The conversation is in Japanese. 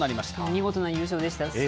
見事な優勝でした。